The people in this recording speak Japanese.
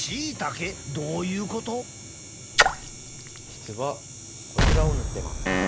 実はこちらを塗ってます。